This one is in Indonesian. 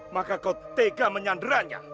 maka kau tega menyandranya